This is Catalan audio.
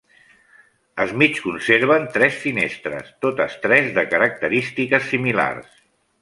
Es mig conserven tres finestres, totes tres de característiques similars.